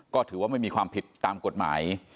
ก็ถือว่าไม่มีความผิดตามกฎหมาย